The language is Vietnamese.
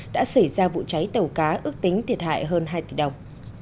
đã xảy ra vụ cháy tàu cá ước tính thiệt hại hơn hai tỷ đồng